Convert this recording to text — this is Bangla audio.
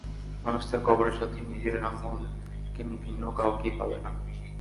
মানুষ তার কবরের সাথী নিজের আমল ভিন্ন কাউকেই পাবে না।